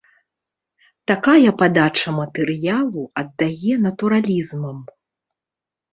Такая падача матэрыялу аддае натуралізмам.